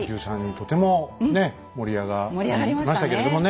とてもねっ盛り上がりましたけれどもね。